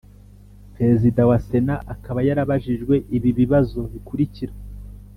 Perezida wa sena akaba yarabajijwe ibi bibazo bikurikira.